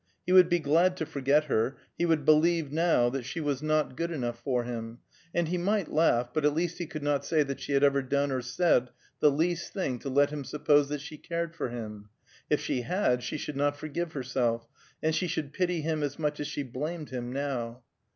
He would be glad to forget her; he would believe, now, that she was not good enough for him; and he might laugh; but at least he could not say that she had ever done or said the least thing to let him suppose that she cared for him. If she had, she should not forgive herself, and she should pity him as much as she blamed him now.